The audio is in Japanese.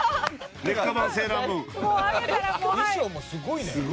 衣装もすごいね。